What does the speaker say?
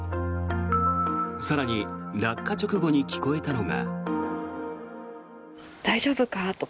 更に落下直後に聞こえたのが。